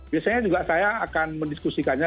biasanya juga saya akan mendiskusikannya